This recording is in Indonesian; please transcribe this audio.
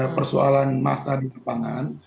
persoalan masa di lapangan